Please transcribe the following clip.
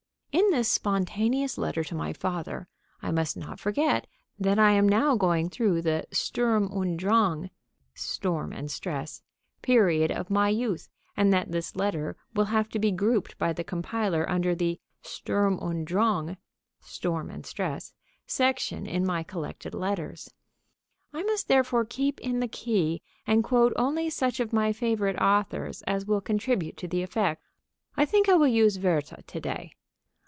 "] "In this spontaneous letter to my father I must not forget that I am now going through the Sturm und Drang (storm and stress) period of my youth and that this letter will have to be grouped by the compiler under the Sturm und Drang (storm and stress) section in my collected letters. I must therefore keep in the key and quote only such of my favorite authors as will contribute to the effect. I think I will use Werther to day....